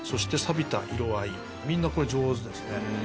みんなこれ上手ですね。